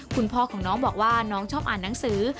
คุณพ่อของน้องบอกว่าน้องชอบอ่านหนังสือ